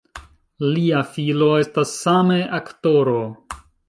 Lia filo estas same aktoro.